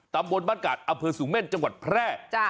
ตำบลบ้านกาดอำเภอสูงเม่นจังหวัดแพร่